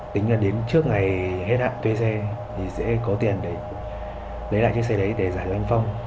tính là đến trước ngày hết hạn thuê xe thì sẽ có tiền để lấy lại chiếc xe đấy để giải đoàn phong